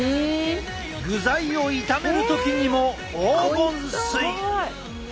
具材を炒める時にも黄金水。